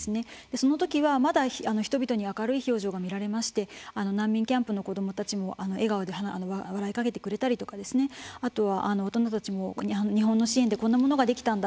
その時は、まだ人々に明るい表情が見られまして難民キャンプの子どもたちも笑顔で話しかけてくれたりとかあとは、大人たちも日本の支援でこんなものができたんだ